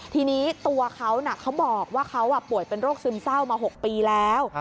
ทีนี้ตัวเขาเขาบอกว่าเขาป่วยเป็นโรคซึมเศร้ามา๖ปีแล้ว